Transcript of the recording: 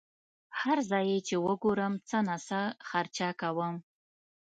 هر ځای چې یې وګورم څه ناڅه خرچه کوم.